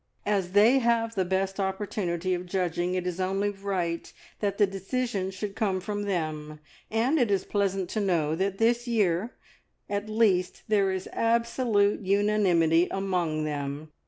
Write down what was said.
As they have the best opportunity of judging, it is only right that the decision should come from them, and it is pleasant to know that this year at least there is absolute unanimity among them.